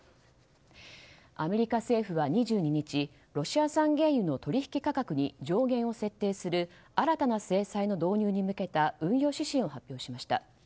アメリカ政府は２２日ロシア産原油の取引価格に上限を設定する新たな制裁の導入に向けた運用指針を発表しました。